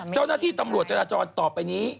เจ้าหน้าที่ตำรวจจราจรต่อไปนี้